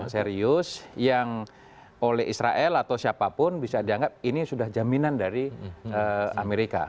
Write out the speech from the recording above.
serius yang oleh israel atau siapapun bisa dianggap ini sudah jaminan dari amerika